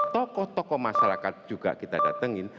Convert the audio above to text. tokoh tokoh masyarakat juga kita datengin